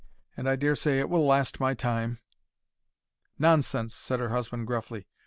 And I dare say it will last my time." "Nonsense!" said her husband, gruffly.